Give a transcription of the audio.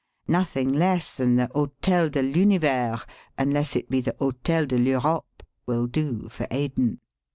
Nothing less than the Hotel de TUnivers," unless it be the " Hotel de I'Europe," will do for Aden.